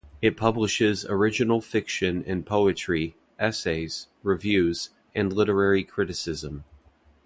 It publishes original fiction and poetry, essays, reviews, and literary criticism.